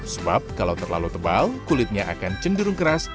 sebab kalau terlalu tebal kulitnya akan cenderung keras